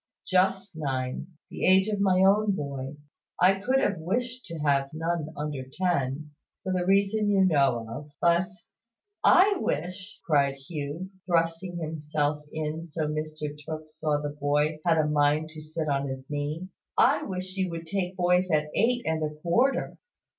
"Just nine; the age of my own boy. I could have wished to have none under ten, for the reason you know of. But " "I wish," cried Hugh, thrusting himself in so that Mr Tooke saw the boy had a mind to sit on his knee, "I wish you would take boys at eight and a quarter."